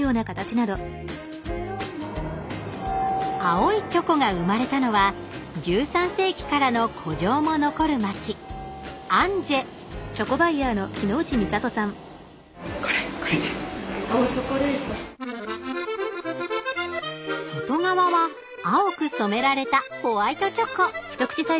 青いチョコが生まれたのは１３世紀からの古城も残る街アンジェ外側は青く染められたホワイトチョコ。